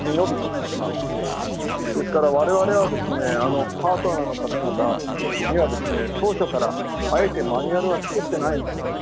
ですから我々はですねパートナーの方々にはですね当初からあえてマニュアルは作ってないんです。